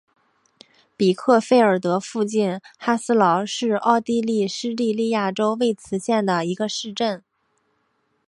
比克费尔德附近哈斯劳是奥地利施蒂利亚州魏茨县的一个市镇。